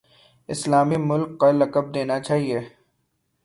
اسلامی ملک کا لقب دینا چاہیے۔